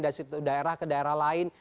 dari daerah ke daerah lain